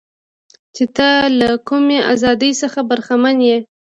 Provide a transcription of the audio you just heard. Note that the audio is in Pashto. چې ته له کمې ازادۍ څخه برخمنه یې.